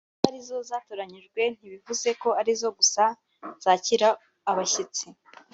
Kuba arizo zatoranyijwe ntibivuze ko ari zo gusa zakira abashyitsi